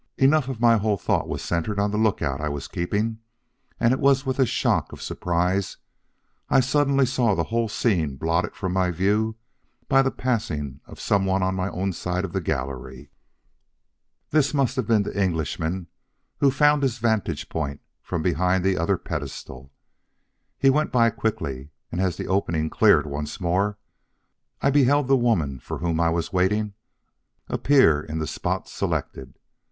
Enough that my whole thought was centered on the lookout I was keeping and it was with a shock of surprise I suddenly saw the whole scene blotted from my view by the passing by of some one on my own side of the gallery. This must have been the Englishman who found his vantage point from behind the other pedestal. He went by quickly, and as the opening cleared once more, I beheld the woman for whom I was waiting appear in the spot selected.